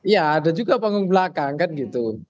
ya ada juga panggung belakang kan gitu